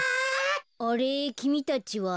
あれきみたちは？